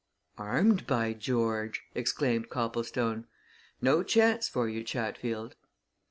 "Armed, by George!" exclaimed Copplestone. "No chance for you, Chatfield!"